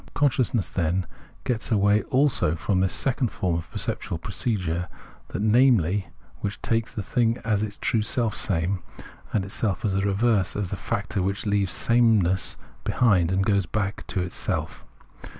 Consciousness, then, gets away also from this second form of perceptual procedure, that, namely, which takes the thing as the true selfsame, and itself as the reverse, as the factor that leaves sameness behind and goes back into self.